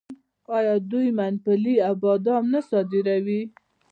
آیا دوی ممپلی او بادام نه صادروي؟